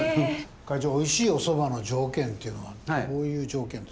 会長おいしいお蕎麦の条件っていうのはどういう条件ですか？